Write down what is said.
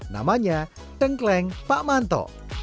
namanya tengkleng pak manto